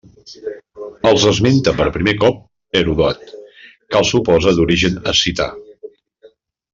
Els esmenta per primer cop Heròdot que els suposa d'origen escita.